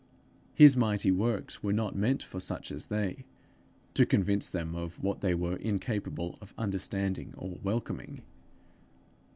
His mighty works were not meant for such as they to convince them of what they were incapable of understanding or welcoming!